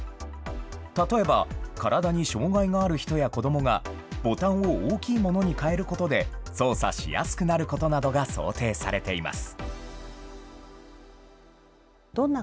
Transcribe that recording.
例えば、体に障害がある人や子どもがボタンを大きいものに変えることで操作しやすくなることなどが想定されています。